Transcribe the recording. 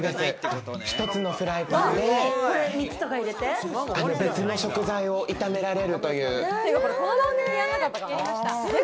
１つのフライパンで別の食材を炒められるという。